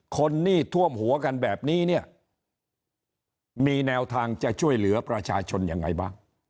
หนี้ท่วมหัวกันแบบนี้เนี่ยมีแนวทางจะช่วยเหลือประชาชนยังไงบ้าง